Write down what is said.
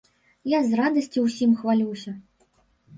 Я з радасці ўсім хвалюся.